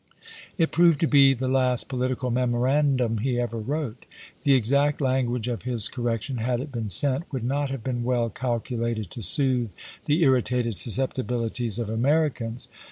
It proved to be the last political memorandum he ever wrote. The exact language of his correc tion, had it been sent, would not have been well calculated to soothe the irritated susceptibilities of Americans.